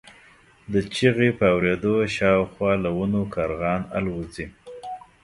د چیغې په اورېدو شاوخوا له ونو کارغان الوځي.